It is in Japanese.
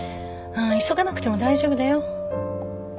急がなくても大丈夫だよ。